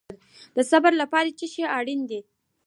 د صبر لپاره څه شی اړین دی؟